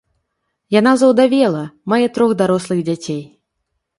Яна заўдавела, мае трох дарослых дзяцей.